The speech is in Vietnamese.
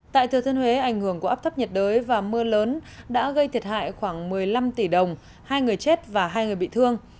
tại thừa thiên huế ảnh hưởng của áp thấp nhiệt đới và mưa lớn đã gây thiệt hại khoảng một mươi năm tỷ đồng hai người chết và hai người bị thương